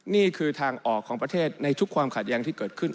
นี่คือทางออกของประเทศในทุกความขัดแย้งที่เกิดขึ้น